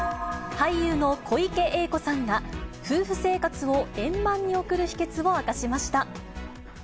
俳優の小池栄子さんが、夫婦生活を円満に送る秘けつを明かしました。